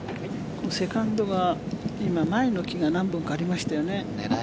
セカンドが今前の木が何本かありましたよね。